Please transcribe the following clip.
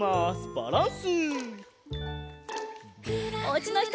バランス！